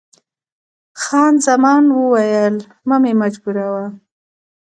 خان زمان وویل، مه مې مجبوروه.